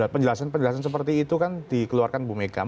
penjelasan penjelasan seperti itu kan dikeluarkan bu mega